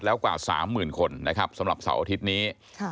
แล้วกว่าสามหมื่นคนนะครับสำหรับเสาร์อาทิตย์นี้